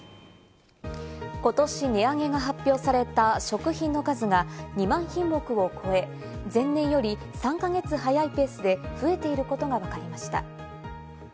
今年値上げが発表された食品の数が２万品目を超え、前年より３か月早いペースで増えていることがわかりました。